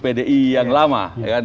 pdi yang lama